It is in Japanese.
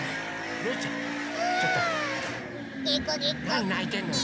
なにないてんのよ。